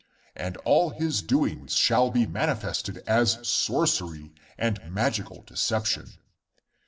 But all his doings shall be manifested as sorcery and mag ical deception.